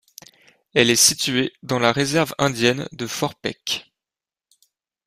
Elle est située dans la réserve indienne de Fort Peck.